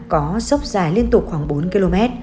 có dốc dài liên tục khoảng bốn km